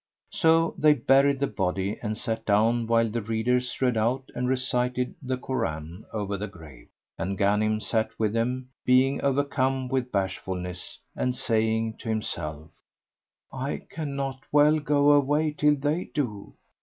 So they buried the body and sat down while the readers read out and recited the Koran over the grave; and Ghanim sat with them, being overcome with bashfulness and saying to himself "I cannot well go away till they do."